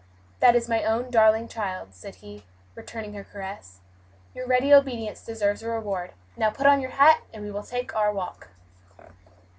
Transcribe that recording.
"That is my own darling child," said he, returning her caress, "your ready obedience deserved a reward. Now put on your hat, and we will take our walk."